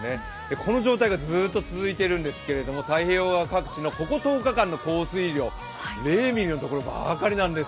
この状態がずーっと続いているんですけど太平洋側各地のここ１０日間の降水量０ミリのところばかりなんです